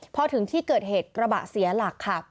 พอถึงที่เกิดเหตุกระบะเสียหลักค่ะ